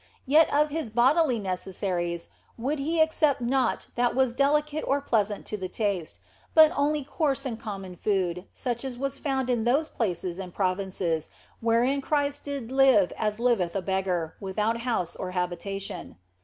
Yet of bodily necessaries would He accept naught that was delicate or pleasant to the taste, but only coarse and common food such as was found in those places and provinces wherein Christ did live as liveth a beggar, without house or habitation.